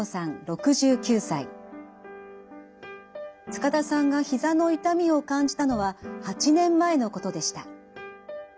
塚田さんがひざの痛みを感じたのは８年前のことでした。